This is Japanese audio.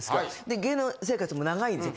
で芸能生活も長いんで。